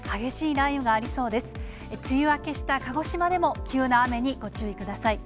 梅雨明けした鹿児島でも急な雨にご注意ください。